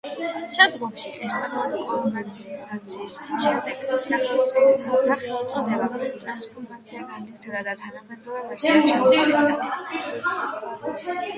შემდგომში, ესპანური კოლონიზაციის შემდეგ, სახელწოდებამ ტრანსფორმაცია განიცადა და თანამედროვე ვერსიად ჩამოყალიბდა.